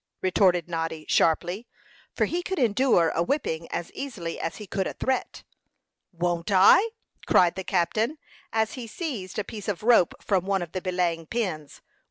retorted Noddy, sharply, for he could endure a whipping as easily as he could a threat. "Won't I?" cried the captain, as he seized a piece of rope from one of the belaying pins.